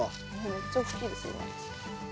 めっちゃ大きいですよね。